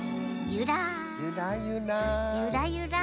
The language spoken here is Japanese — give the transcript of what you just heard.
ゆらゆら。